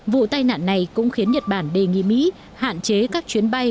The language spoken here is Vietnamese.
vụ tai nạn này cũng khiến nhật bản đề nghị mỹ hạn chế các chuyến bay